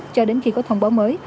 cho đến khi có thông báo mới